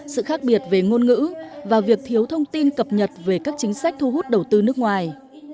sự khác biệt về ngôn ngữ và việc thiếu thông tin cập nhật về các chính sách thu hút đầu tư nước ngoài